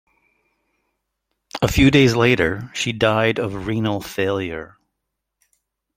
A few days later, she died of renal failure.